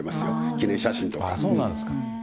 記念写真とか。